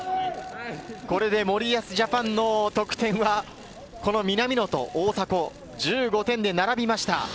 これで森保ＪＡＰＡＮの得点は、この南野と大迫、１５点で並びました。